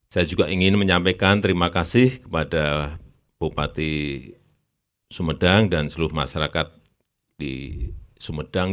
saya juga ingin menyampaikan terima kasih kepada bupati sumedang dan seluruh masyarakat di sumedang